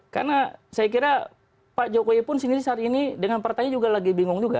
karena saya kira pak jokowi pun sendiri saat ini dengan pertanyaan juga lagi bingung juga